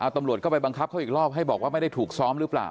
ตำรวจก็ไปบังคับเขาอีกรอบให้บอกว่าไม่ได้ถูกซ้อมหรือเปล่า